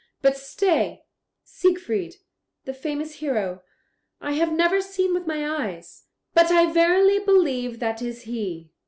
But stay; Siegfried, the famous hero, I have never seen with my eyes, but I verily believe that is he.